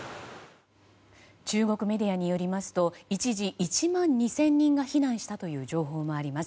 中国メディアによりますと一時１万２０００人が避難したという情報があります。